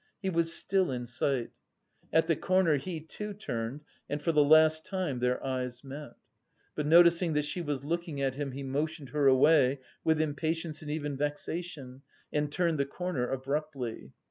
He was still in sight. At the corner he too turned and for the last time their eyes met; but noticing that she was looking at him, he motioned her away with impatience and even vexation, and turned the corner abruptly.